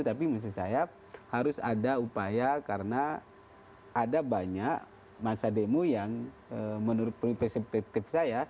tapi maksud saya harus ada upaya karena ada banyak masa demo yang menurut perspektif saya